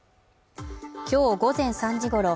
今日午前３時ごろ